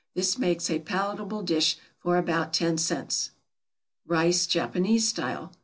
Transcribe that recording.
This makes a palatable dish for about ten cents. =Rice, Japanese Style.